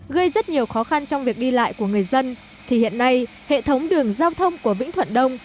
gây rất nhiều khó khăn trong việc đi lại của người dân thì hiện nay hệ thống đường giao thông của vĩnh thuận đông